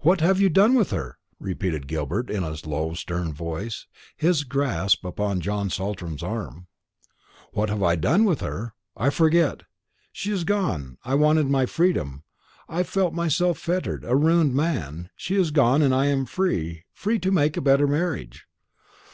"What have you done with her?" repeated Gilbert, in a low stern voice, with his grasp upon John Saltram's arm. "What have I done with her? I forget. She is gone I wanted my freedom; I felt myself fettered, a ruined man. She is gone; and I am free, free to make a better marriage."